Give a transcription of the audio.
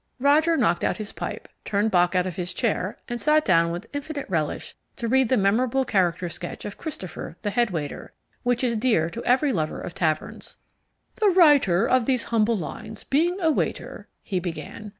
Roger knocked out his pipe, turned Bock out of his chair, and sat down with infinite relish to read the memorable character sketch of Christopher, the head waiter, which is dear to every lover of taverns. "The writer of these humble lines being a Waiter," he began.